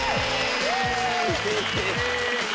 イエーイ！